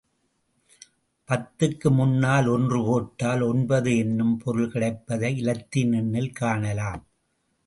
பத்துக்கு முன்னால் ஒன்று போட்டால் ஒன்பது என்னும் பொருள் கிடைப்பதை இலத்தீன் எண்ணில் காணலாம்.